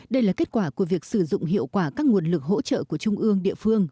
đây là kết quả của việc sử dụng hiệu quả các nguồn lực hỗ trợ của trung ương địa phương